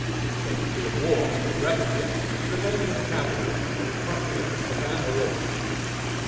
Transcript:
The Secretary of War, Mr. Breckinridge, had remained with the cavalry at the crossing of the Savannah River.